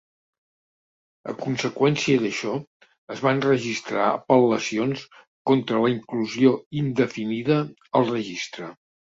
A conseqüència d'això, es van registrar apel·lacions contra la inclusió indefinida al registre.